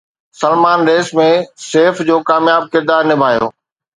Salman race ۾ Saif جو ڪامياب ڪردار نڀايو